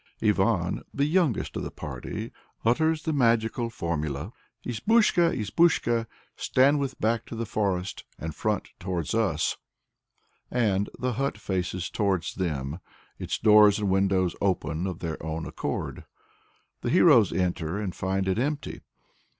Ivan, the youngest of the party, utters the magical formula "Izbushka, Izbushka! stand with back to the forest and front towards us," and "the hut faces towards them, its doors and windows open of their own accord." The heroes enter and find it empty.